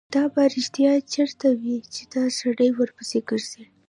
دا به رښتیا چېرته وي چې دا سړی ورپسې ګرځي.